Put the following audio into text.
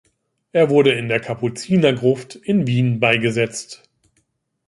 Er wurde in der Kapuzinergruft in Wien beigesetzt.